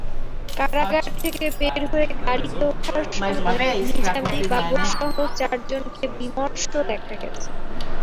কারাগার থেকে বের হয়ে গাড়িতে ওঠার সময় নিজামী-বাবরসহ চারজনকে বিমর্ষ দেখা গেছে।